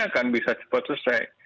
akan bisa cepat selesai